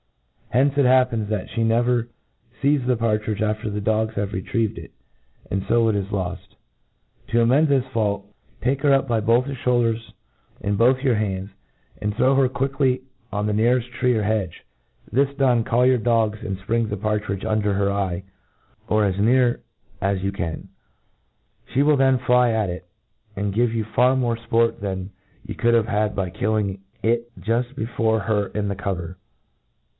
Hence it hap);>^f)i$., that flie ndvef fe*6 the partridge after the dogs have retrieved il ; »>d fo it k loft. Td amend this fault, take her up by the ihoutders in both ybur hands, Imd throw htr quickly on the neareil tree or htf (%e« This don«, ^1 your dogs, and ^ng the par* tridge under her eye, or as near as you can; fhe will then fly at it, and give you far more fport d>an ybu could hive had by her killing it juft bieford het in the cover.